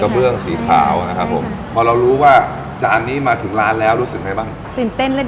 เป็นกระเบื้องสีขาวนะครับผม